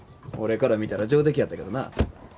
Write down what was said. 俺から見たら上出来やったけどな。